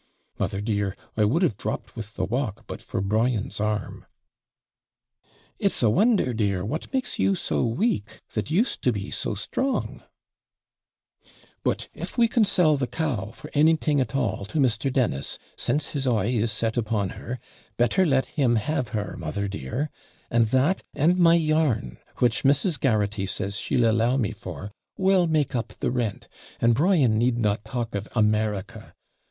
Mother dear, I would have dropped with the walk, but for Brian's arm.' 'It's a wonder, dear, what makes you so weak, that used to be so strong,' 'But if we can sell the cow for anything at all to Mr. Dennis, since his eye is set upon her, better let him have her, mother dear; and that and my yarn, which Mrs. Garraghty says she'll allow me for, will make up the rent and Brian need not talk of America.